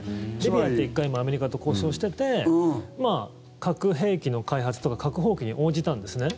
リビアも１回アメリカと交渉してて核兵器の開発とか核放棄に応じたんですね。